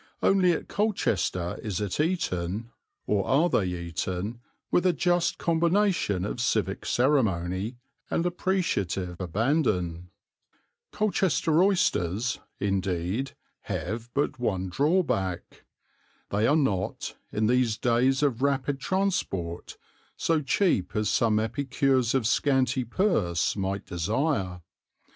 Only at Colchester is it eaten, or are they eaten, with a just combination of civic ceremony and appreciative abandon. Colchester oysters, indeed, have but one drawback. They are not, in these days of rapid transport, so cheap as some epicures of scanty purse might desire.